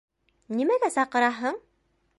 Нимәгә саҡыраһың?